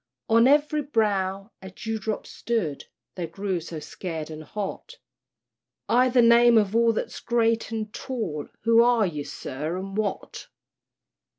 On every brow a dewdrop stood, They grew so scared and hot, "I' the name of all that's great and tall, Who are ye, sir, and what?"